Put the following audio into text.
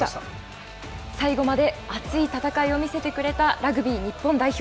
最後まで熱い戦いを見せてくれたラグビー日本代表。